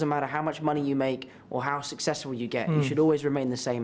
tidak masalah berapa banyak uang anda membuat atau berapa berhasil anda mendapatkan